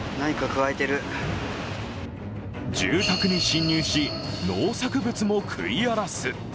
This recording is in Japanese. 住宅に侵入し、農作物も食い荒らす。